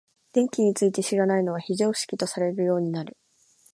電気について知らないのは非常識とされるようになる。